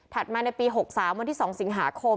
มาในปี๖๓วันที่๒สิงหาคม